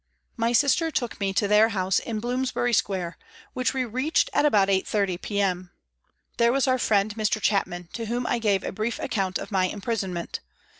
My sister took me to their house in Bloomsbury Square, which we reached at about 8.30 p.m. There was our friend, Mr. Chapman, to whom I gave a brief account of my imprisonment.